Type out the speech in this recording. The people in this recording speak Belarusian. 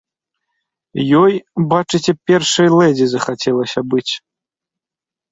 Ёй, бачыце, першай лэдзі захацелася быць!